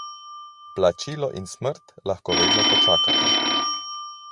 Plačilo in smrt lahko vedno počakata.